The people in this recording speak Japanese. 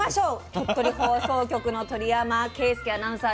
鳥取放送局の鳥山圭輔アナウンサーです。